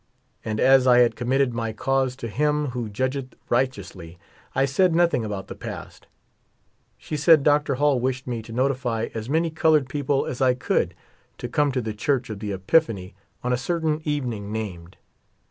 And as I had committed my cause to Him who judgeth righteously, I said nothing about the past. She said Dr. Hall wished me to notify as man}' colored peo ple as I could to come to the Church of the Epiphany on a certain evening named.